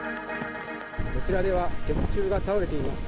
こちらでは鉄柱が倒れています。